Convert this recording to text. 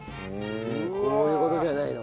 こういう事じゃないの？